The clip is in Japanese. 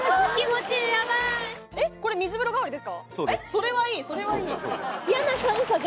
それはいいそれはいい！